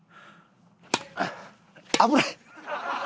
危ない。